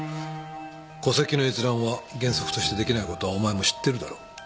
戸籍の閲覧は原則としてできないことはお前も知ってるだろう。